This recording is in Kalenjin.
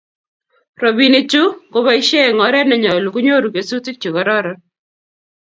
Robinichu ngoboisie eng oret ne nyolu konyoru kesutik che kororon